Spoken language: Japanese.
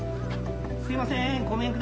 すいません。